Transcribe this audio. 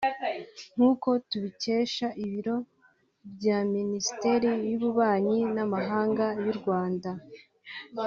nk’uko tubikesha Ibiro bya Minisiteri y’Ububanyi n’Amahanga y’u Rwanda